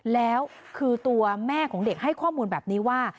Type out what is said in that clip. แล้วคือตัวแม่ของเด็กให้ข้อมูลแบบนี้ว่า